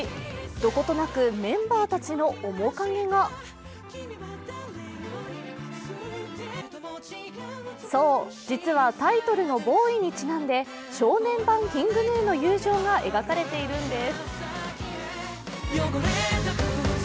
どことなくメンバーたちの面影がそう、実はタイトルの「ＢＯＹ」にちなんで少年版ＫｉｎｇＧｎｕの友情が描かれているんです。